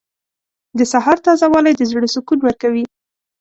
• د سهار تازه والی د زړه سکون ورکوي.